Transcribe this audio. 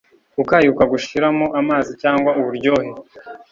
gukayuka gushiramo amazi cyangwa uburyohe